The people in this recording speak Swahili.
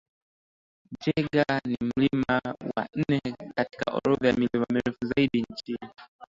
Jaeger ni mlima wa nane katika orodha ya milima mirefu zaidi nchini